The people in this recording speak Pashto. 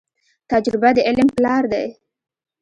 تجربه د علم پلار دی.